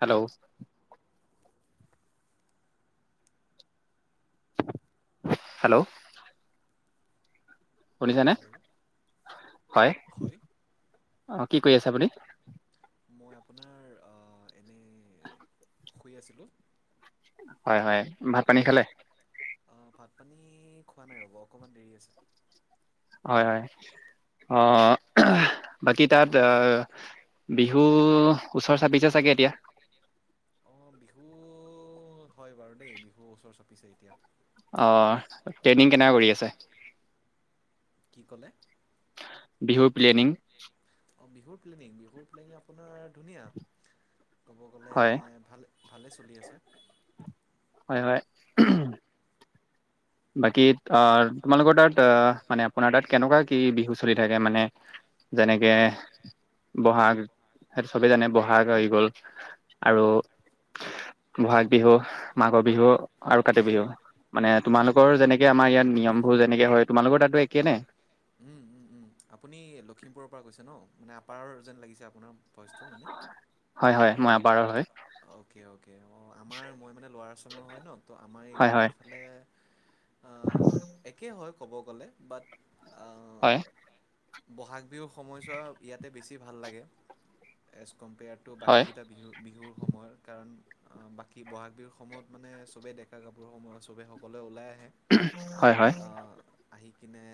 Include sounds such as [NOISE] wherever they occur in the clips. Hello. Hello শুনিছে নে? Hello হয়। অ কি কৰি আছে আপুনি? মই আপোনাৰ আহ, এনে অ' শুই আছিলোঁ। হয়, হয়। ভাত পানী খালে? অ, ভাত পানী খোৱা নাই ৰ'ব। অকণমান দেৰি আছে। হয়-হয় অ' বাকী তাত বিহু ওচৰ চাপিছে চাগে এতিয়া? অ' বিহু হয় বাৰু দেই, বিহু ওচৰ চাপিছে এতিয়া। অহ ট্ৰেইনিং কেনেকৈ কৰি আছে? কি ক'লে? বিহু প্লেনিং অঁ বিহুৰ প্লেনিং, বিহুৰ প্লেনিং আপোনাৰ। [UNINTELLIGIBLE] ধুনীয়া ক'ব গ'লে হয় ভাল ভালে চলি আছে। [INAUDIBLE] বাকী অ তোমালোকৰ তাত অ মানে আপোনাৰ তাত কেনেকুৱা কি বিহু চলি থাকে? মানে যেনেকে বহাগ, সেইটো চবে জানে। বহাগ হৈ গল আৰু বহাগ বিহু, মাঘৰ বিহু আৰু কাতি বিহু মানে। তোমালোকৰ যেনেকে আমাৰ ইয়াত নিয়মবোৰ যেনেকে হয় তোমালোকৰ তাতো একে নে? এই লখিমপুৰৰ পৰা কৈছে ন? মানে আপাৰৰ যেন লাগিছে আপোনাৰ ভয়চটো মানে হয় হয় মই আপাৰৰ হয়। অকে-অকে অ' আমাৰ মই মানে লৰা চমৰ হয় ন ত আমাৰ হয় এইফালে অ একে হ ক'ব গ'লে বাট। হয়। বহাগ বিহুৰ সময়ছোৱা ইয়াতে বেছি ভাল লাগে। কম্পেয়াৰ টো হয় বাকীকেইটা বিহু-বিহু কাৰণ বাকী বহাগ বিহুৰ সময়ত মানে চবে ডেকা কাপোৰ সময় সবে সকলোৱে ওলাই আহে। হয় হয় হয় আহি। খিনে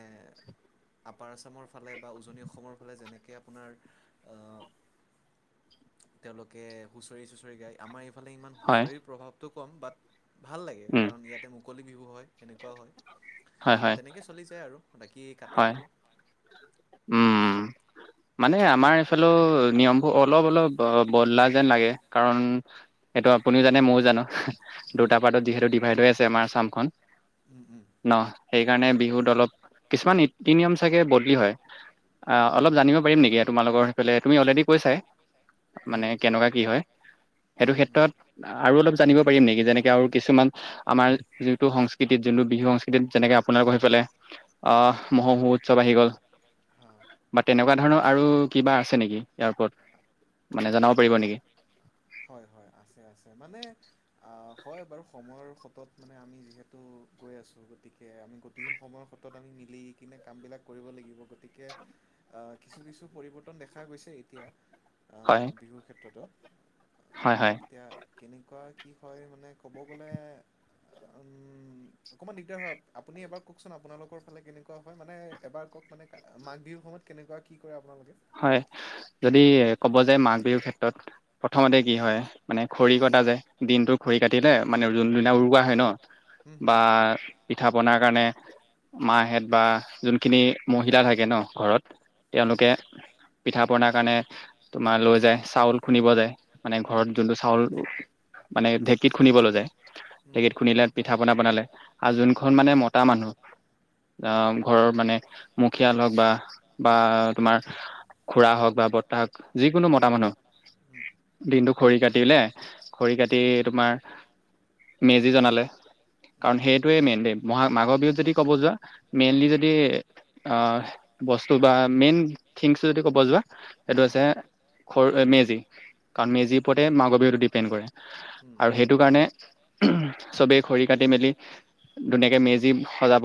আপাৰ আছামৰ ফালে বা উজনি অসমৰ ফালে যেনেকে আপোনাৰ আ তেওঁলোকে হুচ হুচৰি চুচৰি গায় আমাৰ এই ইফালে ইমান হয় হুঁচৰিৰ প্ৰভাৱটো। কম, বাট ভাল লাগে উম কাৰণ ইয়াতে মুকলি বিহু হয়। সেনেকুৱা হয়। তেনেকে চলি যায় আৰু বাকী কাতি হয় বিহু উম। মানে আমাৰ এইফালে নিয়মবোৰ অলপ অলপ বদলা যেন লাগে কাৰণ এইটো আপুনিও জানে ময়ও জানো। উম দুটা পাৰ্তত যিহেতো ডিভাইড হৈ আছে। তেমাৰ চামখন উম উম ন সেইকাৰণে বিহুত অলপ কিছুমান নীতি-নিয়ম চাগে বদলি হয়। অ' উম অলপ জানিব পাৰিম নেকি তোমালোকৰ। লে তুমি অলৰেডি কৈছাই। মানে উম কেনেকুৱা কি হয়? সেইটো উম ক্ষেত্ৰত আৰু অলপ জানিব পাৰিম নেকি যেনেকৈ আৰু কিছুমান আমাৰ যেনেকৈ আৰু কিছুমান আমাৰ যিতো সংস্কৃতিত যোনটো বিহু সংস্কৃতিত যেনেকৈ আপোনালোকৰ সেইফালে অহ মহোহো উৎসৱ আহি গ'ল। হা বা তেনেকুৱা ধৰণৰ আৰু কিবা আছে নেকি ইয়াৰ ওপৰত? মানে জনাব পাৰিব নেকি? হয়-হয়, আছে-আছে মানে অ' হয় বাৰু সময় [UNINTELLIGIBLE] সতত মানে আমি যিহেতু গৈ আছো গতিকে আমি গতিশীল সময়ৰ সতত আমি মিলি কিনে কামবিলাক কৰিব লাগিব গতিকে কিছু-কিছু পৰিৱৰ্তন দেখা গৈছে এতিয়া। হয়। ক্ষেত্ৰটো অ, হয় হয় এতিয়া কেনেকুৱা হয় মানে ক'ব গ'লে উম অকণমান দিগদাৰ হয় আপুনি এবাৰ কওকচোন আপোনালোকৰ ফালে কেনেকুৱা হয়? মানে এবাৰ কওক মানে মাঘ বিহুৰ সময়ত কেনেকুৱা কি কৰে আপোনালোকে? হয় যদি ক'ব যে মাঘ বিহুৰ ক্ষেত্ৰত প্ৰথমতে কি হয়, মানে খৰি কটা যে দিনটোৰ খৰি কাটিলে মানে যোনদিনা উৰুোৱা হয় ন। হুম হুম বা পিঠা পনাৰ কাৰণে মাহেত বা যোনখিনি মহিলা থাকে ন ঘৰত হুম তেওঁলোকে পিঠা পনাৰ কাৰণে তোমাৰ লৈ যায় চাউল খুন্দিব যায়। মানে হুম ঘৰত যোনটো চাউল মানে ঢেঁকীত খুন্দিব লৈ যায়। হুম ঢেঁকীত খুন্দিলে পিঠা প বনালে আৰু যোনখন মানে মতা মানুহ। আহ ঘৰৰ মানে মুখিয়াল হওক বা বা তোমাৰ খুৰা হওক বা বৰ্তা হওক যিকোনো মতা মানুহ, হুম দিনটো খৰি কাটিলে খৰি কাটি তোমাৰ মেজি জনালে। হুম, কাৰণ সেইটোৱে মেইন দেই মা মাঘৰ বিহুত যদি ক'ব যোৱা মেইনলি যদি আহ বস্তু বা মেইন থিং যদি ক'ব যোৱা সেইটো আ হৈছে, খৰি মেজি কাৰণ হুম, মেজিৰ ওপৰতে মাঘ বিহুটো ডিপেণ্ড কৰে। হুম, আৰু সেইটো কাৰণে চবেই খৰি কাটি মেলি ধুনীয়াকে মেজি সজাব।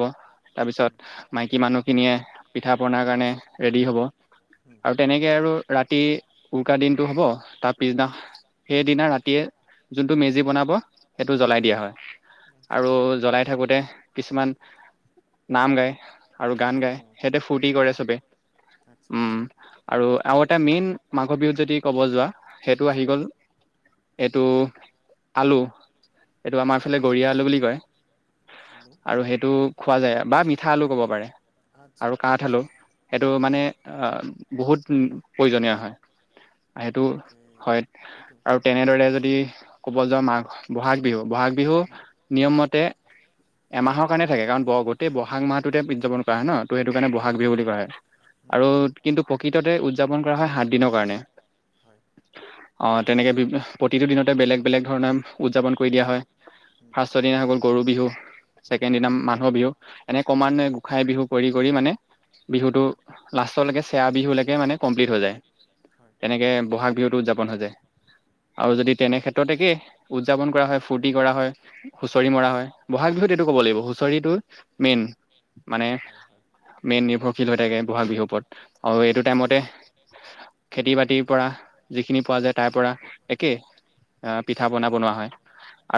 তাৰপিছত হুম, মাইকী মানুহখিনিয়ে পিঠা পনাৰ কাৰণে ৰেডি হ'ব। হুম আৰু তেনেকে আৰু ৰাতি উৰুকা দিনটো হব, তাৰ পিছদিনা, সেইদিনা ৰাতিয়ে যোনটো মেজি বনাব সেইটো হুম জ্বলাই দিয়া হয়। আচ্ছা আৰু জ্বলাই থাকোতে কিছুমান নাম গাই। আৰু গান ও গাই সিহঁতে হুম, ফূুৰ্তি হুম, কৰে চবে। আচ্ছা আচ্ছা আৰু আৰু এটা মেইন মাঘৰ বিহুত যদি ক'ব যোৱা, সেইটো আহি গ'ল, এইটো আলু এইটো আমাৰ ইফালে গৰীয়া আলু বুলি কয়। আলু আৰু সেইটো খোৱা যায় আও বা মিঠা আলু ক'ব পাৰে আচ্ছা আৰু আচ্ছা কাঠ আলু আচ্ছা সেইটো মানে অ'কে বহুত প্ৰয়োজনীয় হয়। সেইটো অ'কে হয়। এইটো আৰু তেনেদৰে যদি ক'ব যাওঁ মাঘ বহাগ বিহু বহাগ বিহু নিয়মমতে এমাহৰ কাৰণে থাকে কাৰণ গোটেই ব'হাগ মাহটোতে উদযাপন কৰা হয়ে ন। ত' সেইটো কাৰণে হুম, বহাগ বিহু বুলি কোৱা হুম, হুম, হয়। কিন্তু প্ৰকৃততে উদযাপন কৰা হয় সাত দিনৰ কাৰণে। হয় অ তেনেকে প্ৰতিটো দিনতে বেলেগ বেলেগ ধৰণে উদযাপন কৰি দিয়া হয়। ফাৰ্ষ্টৰ দিনা হৈ গ'ল গৰু বিহু। হুম, ছেকেণ্ড দিনা মানুহ বিহু। এনে হুম, ক্ৰমান্বয়ে গোঁসাই বিহু পৰি কৰি মানে বিহুতো লাষ্টলৈকে চেয়া বিহুলৈকে মানে কমপ্লিট হৈ যায়। হয় এনেকে বহাগ বিহুতো উদযাপন হৈ যায়, আৰু যদি তেনেক্ষেত্ৰতেকে উদযাপন কৰা হয় ফূৰ্তি কৰা হয়। হুঁচৰি হুম, মৰা হুম, হয় বহাগ বিহুত এইটো ক'ব লাগিব হুচৰিটো মেইন মানে হয় হয় হয় মেইন নিৰ্ভৰশীল হয়। াকে [INAUDIBLE] বহাগ বিহু ওৰতত আৰু এইটো টাইমতে খেতি বাতিৰ পৰা যিখিনি পোৱা যায় তাৰ পৰা একেই পিঠা পনা হুম, বনোৱা হয়।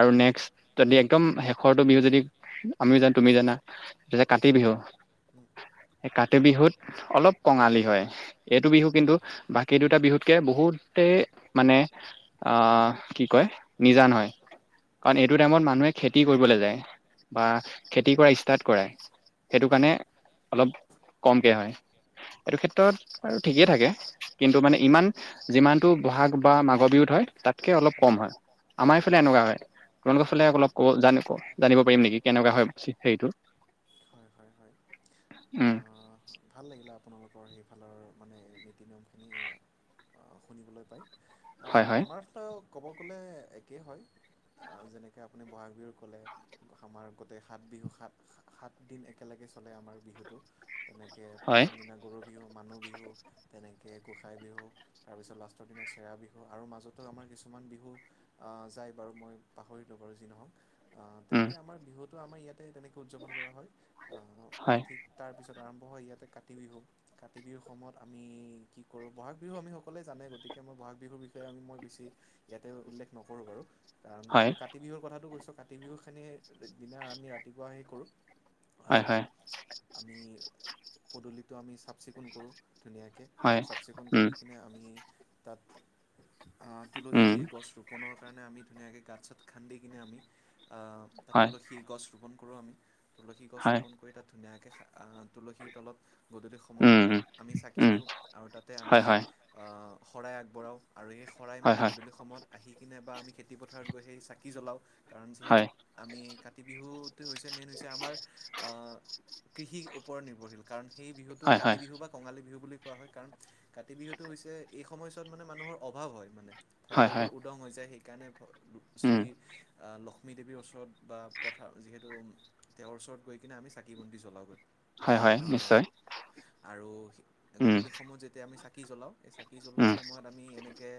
আৰু নেক্সট যদি একদম শেষৰটো বিহু যদি আমিও জানা তুমি জানা। তি কাতি বিহু উম। এই কাতি বিহুত অলপ কঙালী হয়। এইটো বিহু কিন্তু হুম, বাকী দুটা বিহুতকে বহুতেই মানে আহ কি কয় নিজান হয়। কাৰণ হয় এইটো টাইমত মানুহে খেতি কৰিবলৈ যায় বা খেতি কৰা ষ্টাৰ্ট কৰে। সেইটো হুম, কাৰণে অলপ কমকে হয় এইটো ক্ষেত্ৰত আৰু ঠিকেই থাকে কিন্তু মানে ইমান যিমানতটো বহাগ বা মাঘৰ বিহুত হয় তাত কে অলপ হুম, কম হয় আমাৰ ইফালে কমাই এনেকুৱা হয় তালোকৰ সেইটো ফালে হয় অলপ কব জান জানিব পাৰিম নেকি কেনেকুৱা হয় হেৰিটো হয় হয় হয়। উম আহ, [UNINTELLIGIBLE] ভাল লাগিলে আপোনালোকৰ সেইফালৰ মানে নীতি নিয়মখিনি শুনিবলৈ পাই [UNINTELLIGIBLE] অ হয় হয় আমাৰ ক'ব গ'লে একেই হয় যেনেকৈ আপুনি বহাগ বিহুৰ ক'লে আমাৰ গোটেই সাত বিহু সাত সাতদিন একেলগে চলে আমাৰ বিহুটো [UNINTELLIGIBLE] তেনেকৈ হয় প্ৰথম দিনা গৰু বিহু মানুহ বিহু তেনেকে কে গোঁসাই বিহু তাৰপিছত লাষ্টৰ দিনাত চেৰা বিহু আৰু মাজত আমাৰ কিছুমান বিহু আহ যায় বাৰু মই পাহৰিলো বাৰু যি নহওক [UNINTELLIGIBLE] অ উম তেনেকে আমাৰ বিহুত ত আমাৰ ইয়াতে তেনেকে উদযাপন কৰা হয় হয় ঠিক তাৰপিছত আৰম্ভ হয় ইয়াতে কাতি বিহু কাতি বিহুৰ সময়ত আমি কি কৰোঁ বহাগ বিহু আমি সকলোৱে জানে গতিকে মই বহাগ বিহুৰ বিষয়ে আমি মই [UNINTELLIGIBLE] বেছি ইয়াতে উল্লেখ নকৰোঁ বাৰু কাৰণ হয় কিন্তু কাতি বিহুৰ কথাটো কৈছো [UNINTELLIGIBLE] কাতি বিহু খানি দিনা আমি ৰাতিপুৱা সে কৰো [UNINTELLIGIBLE] হয় হয় পদূলিটো আমি চাফ চিকুণ কৰোঁ ধুনীয়াকৈ হয় চাফ চিকুণ উম কৰি কিনে আমি তাত উম তুলসীৰ গছ ৰোপণৰ কাৰণে আমি ধুনীয়াকৈ গাঁত চাত খান্দি কিনে আমি তাত হয় তুলসীৰ গছ ৰুপোন কৰোঁ আমি তুলসী গছ হয় ৰোপণ কৰি তাত ধুনীয়াকৈ তুলসীৰ তলত গধূলি সময়ত উম উম আমি চাকি উম দিওঁ আৰু তাতে হয় আমি হয় শৰাই আগবঢ়াও আৰু সেই শৰাই হয় মানে হয় গধূলি সময়ত আহি কিনে বা আমি খেতি পথাৰত গৈ সেই চাকি জ্বলাওঁ কাৰণ যিহেতু হয় আমি ক কাতি বিহু মেইন হৈছে আমাৰ কৃষিৰ ওপৰত নিৰ্ভৰশীল কাৰণ সেই বিহুতোক হয় কাতি হয় বিহু বা কঙালী বিহু বুলি কোৱা হয় কাৰণ কাতি বিহুতটো হৈছে এই সময়ছোৱাত মানে মানুহৰ অভাৱ হয়। হয় ভঁৰাল বোৰ হয় উদং হৈ যায় [UNINTELLIGIBLE] সেইকাৰণে উম শ্ৰী লক্ষ্মী দেেৱীৰ ওচৰত বা পথাৰ যিহেতু তেওঁৰ ওচৰত গৈ কিনে আমি চাকি বন্তি জ্বলাওঁগৈ হয় হয় আহ, নিশ্চয় আৰু উম, গধূলিসমূহ যেতিয়া আমি। কি জ্বলাওঁ এই চাকি জ্বলোৱা উম, সময়ত আমি এনেকে।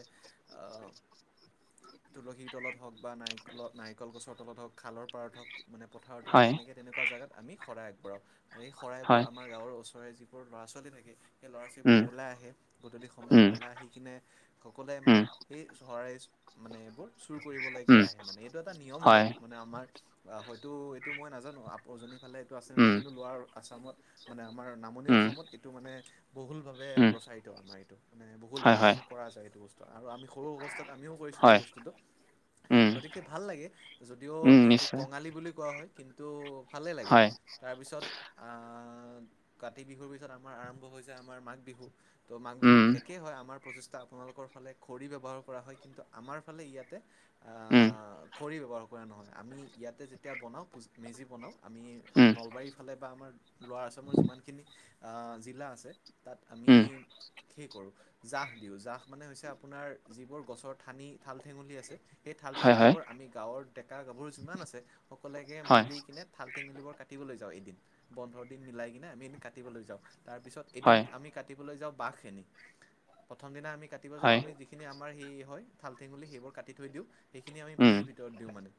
আহ তুলসী ত তলত হওক বা নাৰিকলত নাৰিকল, গছৰ তলত হওক, খালৰ পাৰত হওক। মানে পথাৰত হক হয়, তেনেকে তেনেকুৱা জেগাত আমি শৰাই আগবঢ়াওঁ। আৰু এই শৰাইবোৰ হয়, আমাৰ গাঁৱৰ ওচৰৰে যি। [UNINTELLIGIBLE] ল'ৰা ছোৱালী থাকে সেই ল'ৰা ছোৱালীবোৰ উম, ওলাই আহে। গধূলি সময়ত উম, ওলাই আহি কিনে। মানে উম, সেই চহ- প্ৰইছ মানে এইবোৰ। চুৰ কৰিবলৈকে উম, আহে মানে এইটো এটা নিয়ম হয় মানে আমাৰ অ হয়তো এইটো মই নাজানো আপজনী। ফালে এইটো আছে ন নাই উম, কিন্তু লোৱাৰ আছামত মানে আমাৰ নামনি উম, অসমত এইটো মানে বহুলভাৱে উম, প্ৰচাৰিত আমাৰ এইটো, মানে হয়, বহুলভাৱে হয়, আমাৰ কৰা আছে এইটো। বস্তু আৰু আমি। সৰু অৱস্থাত আমিও কৰিছিলোঁ এই হয়, বস্তুটো উম, গতিকে ভাল লাগে যদিও উম, এইটো নিশ্চয়, কঙালী বুলি কোৱা হয় কিন্তু ভালেই লাগে হয়, তাৰপিছত কাতি বিহুৰ, পিছত আমাৰ আৰম্ভ হৈ যায় আমাৰ মাঘ বিহু, ত' মাঘ বিহুৰ উম, একে হয়, আমাৰ প্ৰচেষ্টা। আপোনালোক। ফালে খৰি ব্যৱহাৰ কৰা হয়, কিন্তু আমাৰ ফালে ইয়াতে। উম। খৰি ব্যৱহাৰ কৰা নহয় আমি ইয়াতে যেতিয়া বনাওঁ মেজি বনাওঁ আমি উম, নলবাৰীৰ ফালে বা আমাৰ ল'ৰা আচামৰ যিমানখিনি অ, জিলা আছে। তাত আমি উম, কি কৰোঁ। জাহ দিউ জাহ। মানে হৈছে আপোনাৰ যিবোৰ গছৰ ঠানি ঠাল ঠেঙুলি আছে। সেই ঠাল হয়, হয়, ঠঙুলিবোৰ আমি গাঁৱৰ। ডেকা গাভৰু যিমান আছে। সকলে হয়, মিলি কিনে থাল টেঙুলিবোৰ কাটিবলৈ যাওঁ এদিন বন্ধৰ দিন মিলাই কিনে আমি এ কাটিবলৈ যাওঁ। তাৰপিছত এদিন হয়, আমি কাটিবলৈ যাওঁ [UNINTELLIGIBLE] প্ৰথম দিনা আমি দিব যাওঁ হয়, যিখিনি আম আমাৰ সেই হয় ঠাল ঠেঙুলি সেইবোৰ কাটি থৈ দিওঁ সেইখিনি আমি উম, পুঁজিৰ ভিতৰত দিওঁ মানে।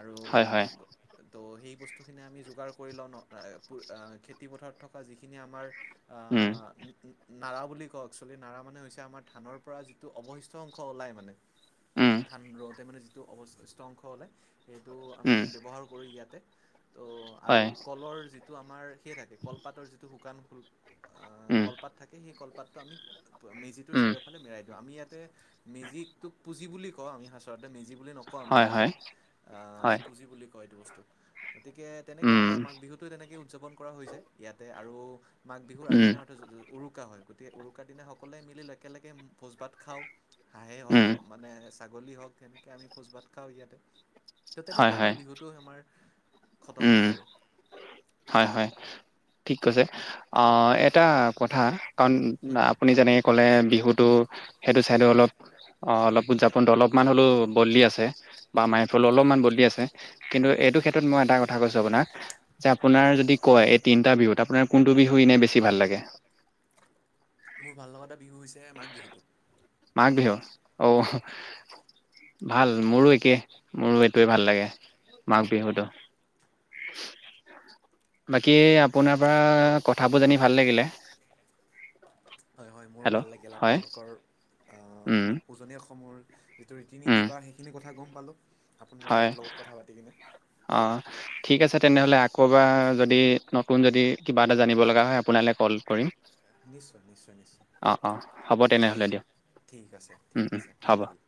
আৰু। হয়, হয়, তো সেই বস্তুখিনি আমি যোগাৰ কৰি লওঁ। অ খেতিপথাৰত থকা যিখিনি আমাৰ। উম। নাৰা বুলি কওঁ এক্চোৱেলি। নাৰা মানে হৈছে আমাৰ ধানৰ। পৰা যিটো অৱশিষ্ট অংশ ওলাই মানে উম, ধান ৰওঁতে মানে। অৱশিষ্ট অংশ হ'লে সেইটো আমি উম, ব্যৱহাৰ কৰোঁ ইয়াতে। ত' আৰু হয়, কলৰ যি। টো আমাৰ সে থাকে কলপাতৰ যিটো শুকান [UNINTELLIGIBLE] অ উম, কলপাত থাকে, সেই কলপাত। তাত আমি। মেজিটোৰ উম, চাৰিও। আমি ইয়াতে মেজিটোক পুজি বুলি কওঁ আমি [UNINTELLIGIBLE] বুলি নকওঁ আমি হয়, ইয়াতে হয়, আমি হয়, পুজি বুলি ক এইটো বস্তু [UNINTELLIGIBLE] গতিকে তেনেকে উম, আমাৰ মাঘ বিহুতো তেনেকে উদযাপন কৰা হৈ যায়। ইয়াতে আৰু। মাঘ বিহুৰ উম, আগদিনা [UNINTELLIGIBLE] উৰুকা হয় উৰুকাৰ দিনা সকলোৱে মিলি একেলগে ভোজ ভাত খাওঁ। হাঁহেই উম, হক মানে ছাগলী হওক তেনেকে আমি ভোজ ভাত খাওঁ ইয়াতে ত হয়, তেনেকে হয়, আমাৰ বিহুটো আমাৰ খতম উম, হয় আৰু। হয় হয়। ঠিক কৈছে, অ' এটা কথা, কাৰণ উম, আপুনি যেনেকে ক'লে হুটো সেইটো ছাইডো অলপ অলপ উদযাপনটো অলপমান হ'লেও বদলি আছে। বা উম, মাইফল অলপমান বদলি আছে, কিন্তু উম। এইটো ক্ষেত্ৰত মই এটা কথা কথা কৈছো আপোনাক যে, আপোনাৰ যদি কয় এই তিনিটা বিহুত আপোনাৰ কোনটো বিহু এনে বেছি ভাল লাগে। মোৰ ভাল লগা এটা বিহু হৈছে মাঘ বিহুটো। মাঘ বিহু। অঔ। উম, ভাল মোৰো একে মোৰো এইটোৱে ভাল লাগে। উম। মাঘ বিহুটো। বাকী আপোনাৰ পৰা কথাবোৰ জানি ভাল লাগিলে। হয়, হয়। মোৰো হেল্ল' ভাল লাগিল হয় আপোনালোকৰ উম না উজনি অসমৰ যিটো ৰীতি নীতি উম বা সেইখিনি কথা। কথা গম পালোঁ। আপোনাৰ হয় লগত কথা পাতি কিনে। অ' ঠিক আছে। তেনেহ'লে আকৌ এবাৰ যদি নতুন যদি কিবা এটা জানিব লগা হয় আপোনালৈ কল কৰিম। নিশ্চয় নিশ্চয় নিশ্চয় অ' অ' হ'ব তেনেহ'লে। হ'ব দিয়ক। ঠিক আছে, ঠিক উম, উম, আছে ভাল হ'ব। লাগিল।